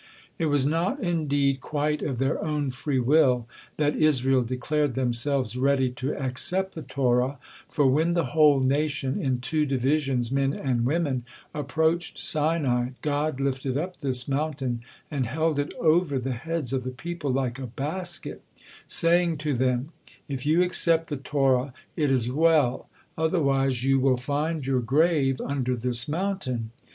It was not indeed quite of their own free will that Israel declared themselves ready to accept the Torah, for when the whole nation, in two divisions, men and women, approached Sinai, God lifted up this mountain and held it over the heads of the people like a basket, saying to them: "If you accept the Torah, it is well, otherwise you will find you grave under this mountain."